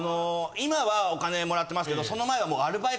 今はお金もらってますけどその前は。